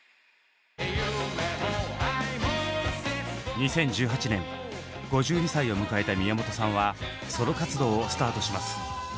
２０１８年５２歳を迎えた宮本さんはソロ活動をスタートします。